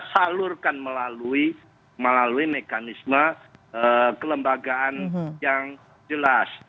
salurkan melalui mekanisme kelembagaan yang jelas